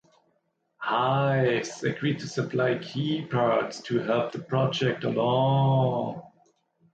Hives agreed to supply key parts to help the project along.